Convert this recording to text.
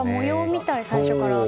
みたい、最初からあった。